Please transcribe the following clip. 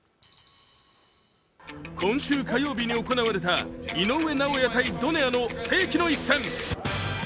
今週火曜日に行われた井上尚弥×ドネアの一戦。